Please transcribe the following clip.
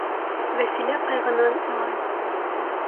Вәсилә ҡайғынан илай.